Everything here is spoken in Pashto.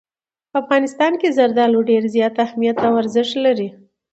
په افغانستان کې زردالو ډېر زیات اهمیت او ارزښت لري.